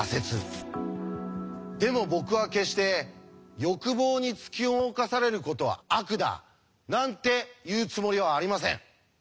でも僕は決して「欲望に突き動かされることは悪だ」なんて言うつもりはありません。